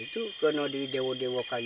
itu harus di dewa dewa kaya